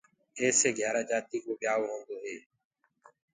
ايسي گھيآرآ جآتيٚ ڪو ٻيآئو هوندو هي۔